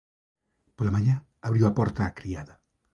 Pola mañá abriu a porta a criada.